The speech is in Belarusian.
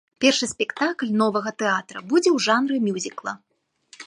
Першы спектакль новага тэатра будзе ў жанры мюзікла.